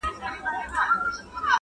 فکر بايد بدل سي ژر